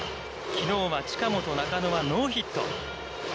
きのうは近本、中野はノーヒット。